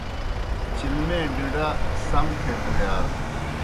چلمے ڈِڈا سم تھے کُرِیار۔